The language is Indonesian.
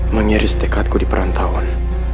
mengiris dekatku di peran tahun